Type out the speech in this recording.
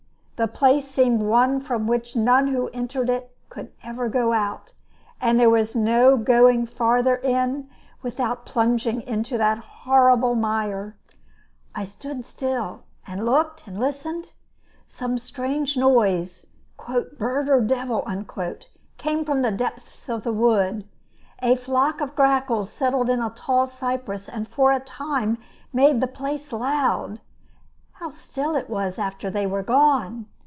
The place seemed one from which none who entered it could ever go out; and there was no going farther in without plunging into that horrible mire. I stood still, and looked and listened. Some strange noise, "bird or devil," came from the depths of the wood. A flock of grackles settled in a tall cypress, and for a time made the place loud. How still it was after they were gone!